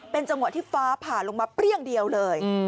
เป็นจังหวะที่ฟ้าผ่าลงมาเปรี้ยงเดียวเลย